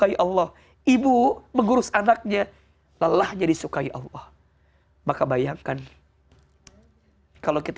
air j tapi pengen berhubungan berumia